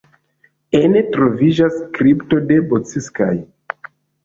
Ene troviĝas kripto de Bocskai.